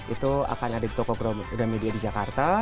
itu akan ada di toko gramedia di jakarta